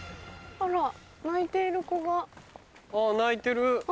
あぁ泣いてる。